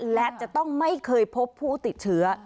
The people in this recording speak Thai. และจะต้องไม่เคยพบผู้ติดเชื้อ